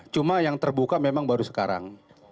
cuma yang terbuka memang baru sekarang